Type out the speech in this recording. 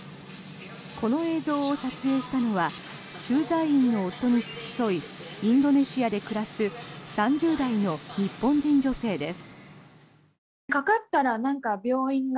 この映像を撮影したのは駐在員の夫に付き添いインドネシアで暮らす３０代の日本人女性です。